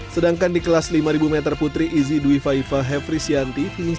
sedangkan di kelas lima ribu meter putri izi dwi faifa hefri syanti finish diurutan kedua